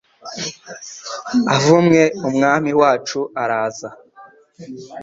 avumwe umwami wacu araza